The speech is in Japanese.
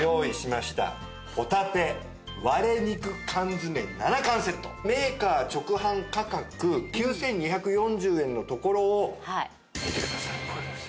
ほたて割肉缶詰７缶セットメーカー直販価格９２４０円のところを見てくださいこれです。